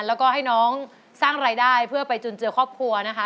แล้วก็ให้น้องสร้างรายได้เพื่อไปจุนเจือครอบครัวนะคะ